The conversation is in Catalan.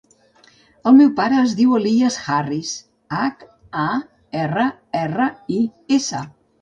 El meu pare es diu Elías Harris: hac, a, erra, erra, i, essa.